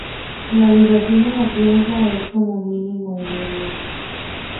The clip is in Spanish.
La duración de la crianza es, como mínimo, de nueve meses.